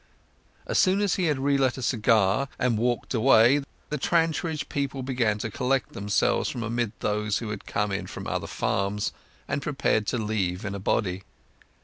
As soon as he had re lit a cigar and walked away the Trantridge people began to collect themselves from amid those who had come in from other farms, and prepared to leave in a body.